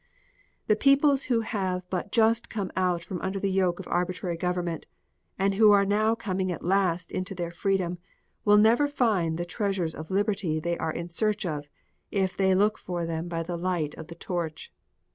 The peoples who have but just come out from under the yoke of arbitrary government and who are now coming at last into their freedom will never find the treasures of liberty they are in search of if they look for them by the light of the torch.